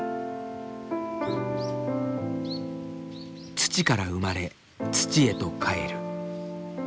土から生まれ土へと返る。